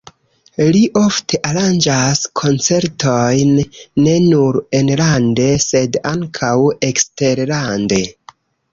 Li ofte aranĝas koncertojn ne nur enlande, sed ankaŭ eksterlande.